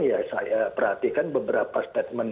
ya saya perhatikan beberapa statement